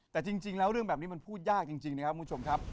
แต่จริงแล้วเรื่องแบบนี้มันพูดยากจริงนะครับคุณผู้ชมครับ